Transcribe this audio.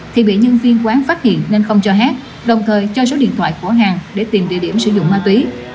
thì bị nhân viên quán phát hiện nên không cho hát đồng thời cho số điện thoại của hàng để tìm địa điểm sử dụng ma túy